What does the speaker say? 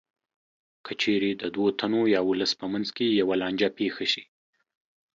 که چېرې د دوو تنو یا ولس په منځ کې یوه لانجه پېښه شي